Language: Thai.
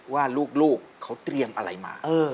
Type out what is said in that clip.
ว่าลูกเขาเตรียมอะไรมา